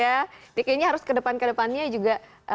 jadi kayaknya harus kedepan kedepannya juga